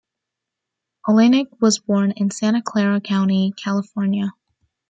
Oleynik was born in Santa Clara County, California.